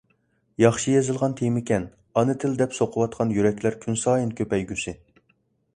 ياخشى يېزىلغان تېمىكەن. «ئانا تىل» دەپ سوقۇۋاتقان يۈرەكلەر كۈنسايىن كۆپەيگۈسى!